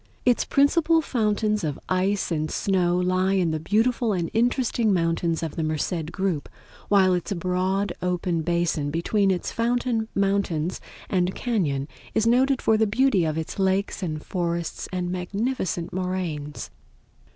Its principal fountains of ice and snow lie in the beautiful and interesting mountains of the Merced group, while its broad open basin between its fountain mountains and cañon is noted for the beauty of its lakes and forests and magnificent moraines.